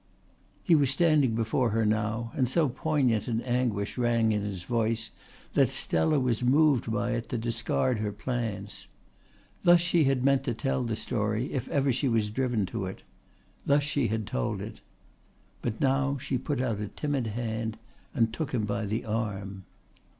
He was standing before her now and so poignant an anguish rang in his voice that Stella was moved by it to discard her plans. Thus she had meant to tell the story if ever she was driven to it. Thus she had told it. But now she put out a timid hand and took him by the arm.